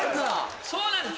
そうなんです